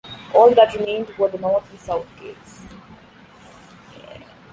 All that remained were the north and south gates.